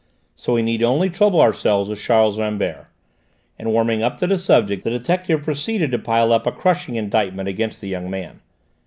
"So we need only trouble ourselves with Charles Rambert," and warming up to the subject the detective proceeded to pile up a crushing indictment against the young man.